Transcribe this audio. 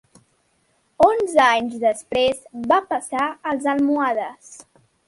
Onze anys després va passar als almohades.